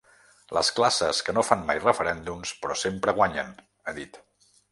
Les classes que no fan mai referèndums, però sempre guanyen, ha dit.